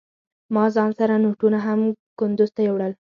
ما ځان سره نوټونه هم کندوز ته يوړل.